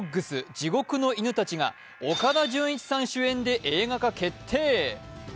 地獄の犬たち」が岡田准一さん主演で映画化決定。